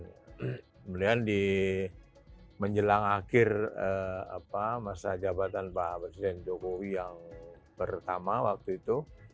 kemudian di menjelang akhir masa jabatan pak presiden jokowi yang pertama waktu itu